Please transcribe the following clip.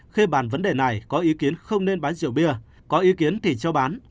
khi bàn vấn đề này có ý kiến không nên bán rượu bia có ý kiến thì cho bán